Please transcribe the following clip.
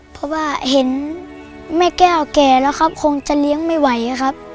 เพราะว่าเห็นแม่แก้วแก่แล้วครับคงจะเลี้ยงไม่ไหวครับ